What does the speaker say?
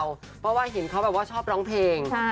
เพราะว่าเห็นเขาแบบว่าชอบร้องเพลง